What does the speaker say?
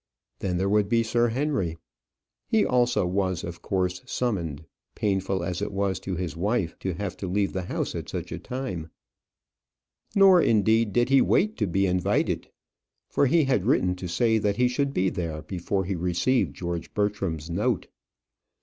Then there would be Sir Henry. He also was, of course, summoned, painful as it was to his wife to have to leave the house at such a time. Nor, indeed, did he wait to be invited; for he had written to say that he should be there before he received George Bertram's note. Mr.